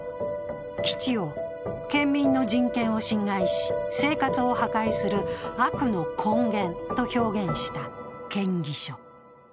基地を、県民の人権を侵害し生活を破壊する悪の根源と表現した建議書。